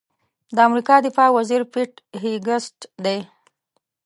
د امریکا دفاع وزیر پیټ هېګسیت دی.